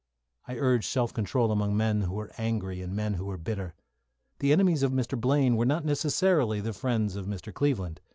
I urged self control among men who were angry and men who were bitter. The enemies of Mr. Blaine were not necessarily the friends of Mr. Cleveland.